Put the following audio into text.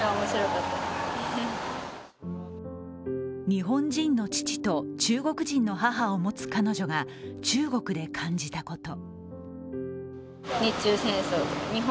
日本人の父と中国人の母を持つ彼女が中国で感じたこと。